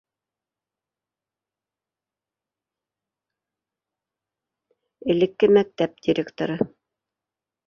Элекке мәктәп директоры